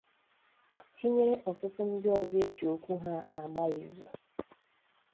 tinyere ọtụtụ ndị ọzọ e ji okwu ha agba ìzù.